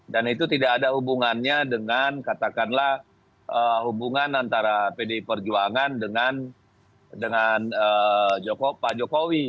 dan itu tidak ada hubungannya dengan katakanlah hubungan antara pdi perjuangan dengan pak jokowi